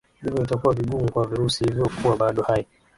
Hivyo itakuwa vigumu kwa virusi hivyo kuwa bado hai